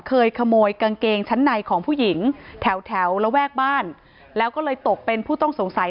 เคยขโมยกางเกงชั้นในของผู้หญิงแถวแถวระแวกบ้านแล้วก็เลยตกเป็นผู้ต้องสงสัย